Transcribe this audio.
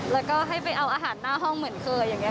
แล้วก็ให้ไปเอาอาหารหน้าห้องเหมือนเคยอย่างนี้